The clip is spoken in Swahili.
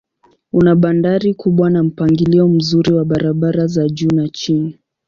Una bandari kubwa na mpangilio mzuri wa barabara za juu na chini.